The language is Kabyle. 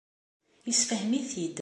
Yessefhem-it-id.